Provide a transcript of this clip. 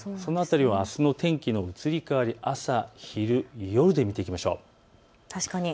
あすの天気の移り変わり、朝昼夜で見ていきましょう。